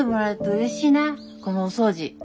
このお掃除。